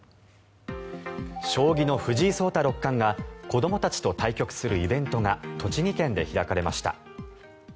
将棋の藤井聡太六冠が子どもたちと対局するイベントが栃木県で開かれました。